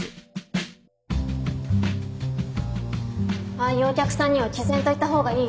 ああいうお客さんには毅然と言った方がいいよ